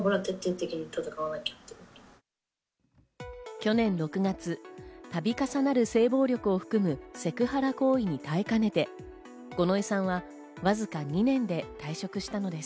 去年６月、度重なる性暴力を含むセクハラ行為に耐えかねて五ノ井さんはわずか２年で退職したのです。